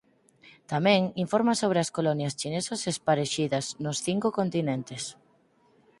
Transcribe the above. Tamén informa sobre as colonias chinesas esparexidas nos cinco continentes.